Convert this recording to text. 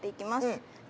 うん。